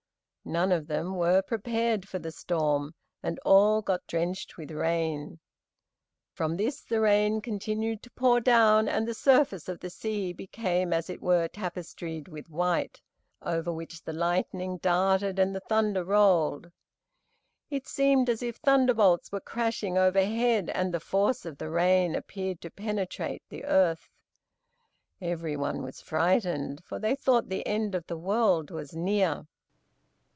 None of them were prepared for the storm, and all got drenched with the rain. From this the rain continued to pour down, and the surface of the sea became as it were tapestried with white, over which the lightning darted and the thunder rolled. It seemed as if thunderbolts were crashing overhead, and the force of the rain appeared to penetrate the earth. Everyone was frightened, for they thought the end of the world was near.